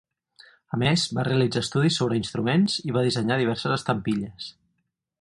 A més, va realitzar estudis sobre instruments, i va dissenyar diverses estampilles.